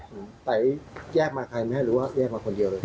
ไว้แยกมาใครไม๊หรือแยกมาคนเดียวเลย